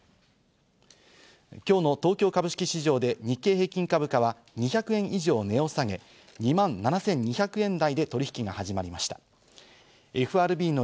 今日の東京株式市場で日経平均株価は２００円以上値を下げ、２万７２００円台で取引が始まりました。